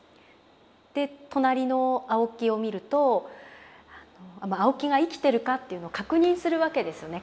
で隣の青木を見ると青木が生きてるかというのを確認するわけですよね